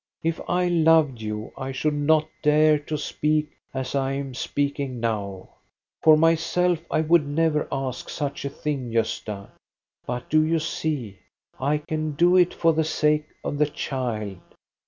If I loved you I should not dare to speak as I am speak ing now. For myself I would never ask such a thing, Gosta ; but do you see, I can do it for the sake of the child.